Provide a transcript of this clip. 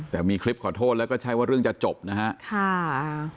แต่มีคลิปขอโทษแล้วก็ใช่ว่าเรื่องจะจบนะฮะค่ะ